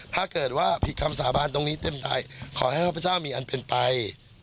ถ้าเกิดว่าผิดคำสาบานตรงนี้เต็มใดขอให้ข้าพเจ้ามีอันเป็นไป